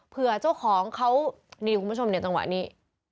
เผื่อเจ้าของเขาดีดีคุณผู้ชมเนี่ยจังหวะนี้